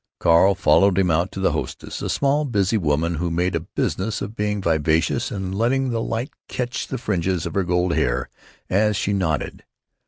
Carl followed him out to the hostess, a small, busy woman who made a business of being vivacious and letting the light catch the fringes of her gold hair as she nodded.